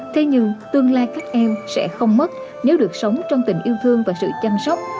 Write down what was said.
thế nhưng tương lai các em sẽ không mất nếu được sống trong tình yêu thương và sự chăm sóc